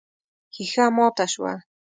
ښيښه ماته شوه.